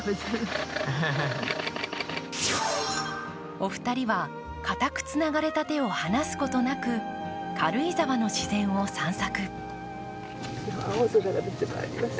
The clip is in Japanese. お二人は、かたくつながれた手を離すことなく軽井沢の自然を散策。